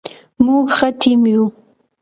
موږ ښه ټیم یو